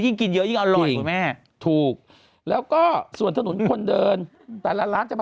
ยิ่งกินเยอะยิ่งอร่อยแม่ถูกแล้วก็ส่วนถนนคนเดินแต่ร้านจะ